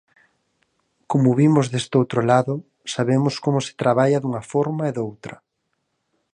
Como vimos deste outro lado, sabemos como se traballa dunha forma e doutra.